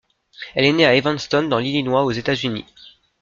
Elle est née à Evanston dans l'Illinois aux États-Unis.